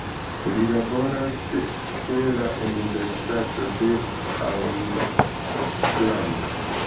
Li laboras ĉe la Universitato de Auckland.